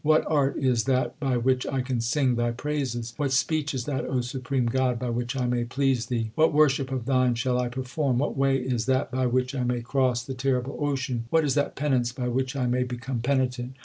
What art is that by which I can sing Thy praises ? What speech is that, O supreme God, by which I may please Thee ? What worship of Thine shall I perform ? What way is that by which I may cross the terrible ocean ? What is that penance by which I may become penitent